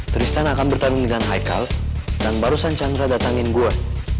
tristan akan bertanding dengan haikal dan barusan chandra datangin gue